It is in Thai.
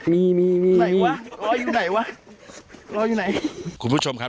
มีมีมีวะรอยอยู่ไหนวะรอยอยู่ไหนคุณผู้ชมครับ